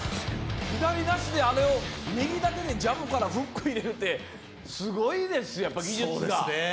左なしであれを、右だけでジャブからフック入れるってすごいですよ、やっぱり技術が。